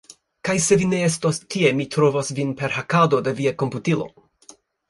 Kaj se vi ne estos tie mi trovos vin per hakado de via komputilo